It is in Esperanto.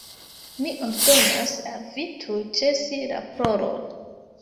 "Mi ordonas al vi tuj ĉesi la ploron."